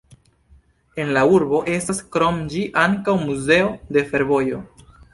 En la urbo estas krom ĝi ankaŭ muzeo de fervojo.